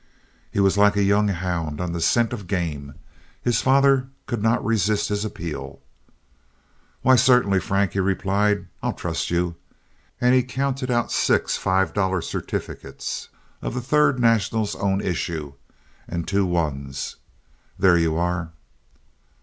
He was like a young hound on the scent of game. His father could not resist his appeal. "Why, certainly, Frank," he replied. "I'll trust you." And he counted out six five dollar certificates of the Third National's own issue and two ones. "There you are."